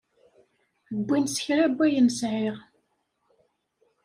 Wwin s kra n wayen sɛiɣ.